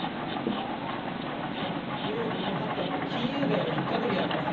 ニューヨーク・マンハッタンの金融街の一角にあります